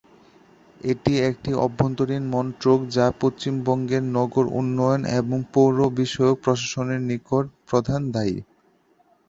এটি একটি অভ্যন্তরীণ মন্ত্রক যা পশ্চিমবঙ্গের নগর উন্নয়ন এবং পৌর বিষয়ক প্রশাসনের জন্য প্রধানত দায়ী।